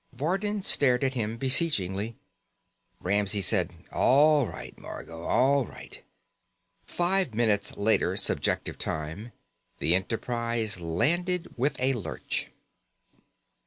Vardin stared at him beseechingly. Ramsey said: "All right, Margot. All right." Five minutes later, subjective time, the Enterprise landed with a lurch.